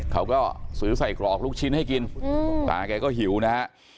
เขาก็ซื้อใส่กรอกลูกชิ้นให้กินตาแกก็หิวนะฮะ